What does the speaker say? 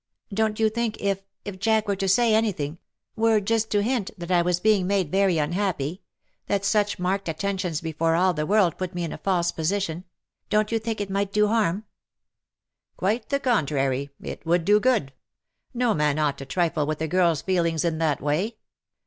256 " Don't you think if — if — Jack were to say any thing — were just to hint that I was being made very unhappy — that such marked attentions before all the world put me in a false position — don't you think it might do harm V '^ Quite the contrary. It would do good. No man ought to trifle with a girl's feelings in that way.